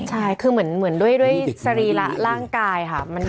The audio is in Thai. ใช่คือเหมือนด้วยสรีระร่างกายค่ะ